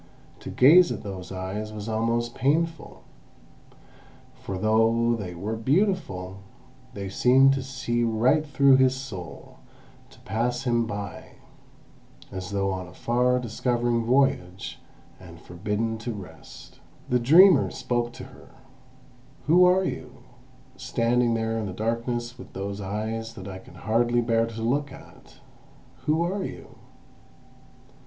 To gaze at those eyes was almost painful; for though they were beautiful, they seemed to see right through his soul, to pass him by, as though on a far discovering voyage, and forbidden to rest. The dreamer spoke to her: "Who are you, standing there in the darkness with those eyes that I can hardly bear to look at? Who are you?"